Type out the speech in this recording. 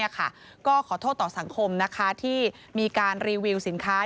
ก็ขอโทษต่อสังคมที่มีการรีวิวสินค้า